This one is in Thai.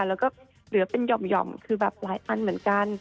แล้วก็เหลือเป็นหย่อมคือแบบหลายอันเหมือนกัน